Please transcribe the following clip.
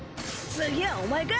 次はお前か？